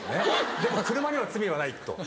でも車には罪はないと。